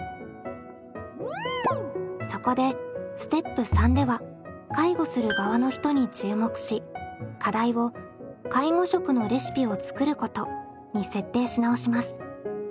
そこでステップ３では介護する側の人に注目し課題を介護食のレシピを作ることに設定し直します。